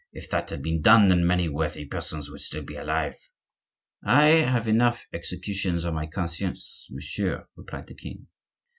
If that had been done then, many worthy persons would still be alive." "I have enough executions on my conscience, monsieur," replied the king.